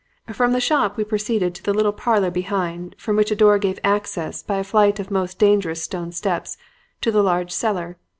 "From the shop we proceeded to the little parlor behind, from which a door gave access, by a flight of most dangerous stone steps, to the large cellar.